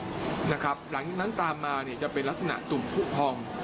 หลังจากนั้นตามมาจะเป็นลักษณะตุ่มผู้พอง